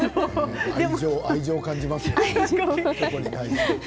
愛情を感じます。